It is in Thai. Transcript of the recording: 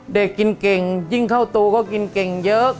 เด็กกินเก่งยิ่งเข้าตูก็กินเก่งเยอะ